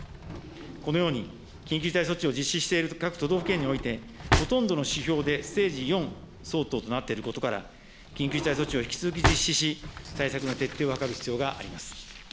このように緊急事態措置を実施している各都道府県において、ほとんどの指標でステージ４相当となっていることから、緊急事態措置を引き続き実施し、対策の徹底を図る必要があります。